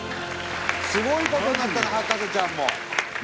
すごい事になったな『博士ちゃん』も。